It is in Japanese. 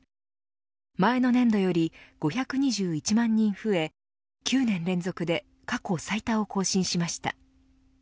前の年度より５２１万人増え９年連続で過去最多を更新しました。